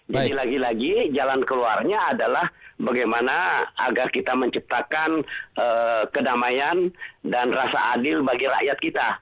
jadi lagi lagi jalan keluarnya adalah bagaimana agar kita menciptakan kedamaian dan rasa adil bagi rakyat kita